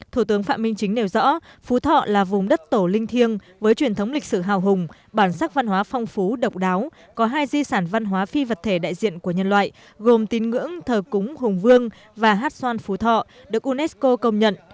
thủ tướng phạm minh chính nêu rõ phú thọ là vùng đất tổ linh thiêng với truyền thống lịch sử hào hùng bản sắc văn hóa phong phú độc đáo có hai di sản văn hóa phi vật thể đại diện của nhân loại gồm tín ngưỡng thờ cúng hùng vương và hát xoan phú thọ được unesco công nhận